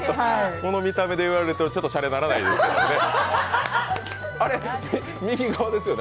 この見た目で言われると、ちょっとしゃれにならないですね。